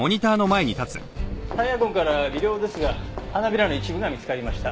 タイヤ痕から微量ですが花びらの一部が見つかりました。